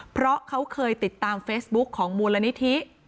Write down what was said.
เพราะเขาเคยติดตามเฟซบุ๊คของมูลนิธิ